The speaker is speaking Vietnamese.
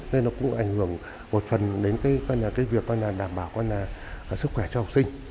nên nó cũng ảnh hưởng một phần đến việc đảm bảo